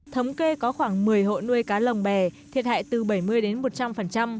thống kê có khoảng một mươi hộ nuôi cá lồng bè thiệt hại từ bảy mươi đến một trăm linh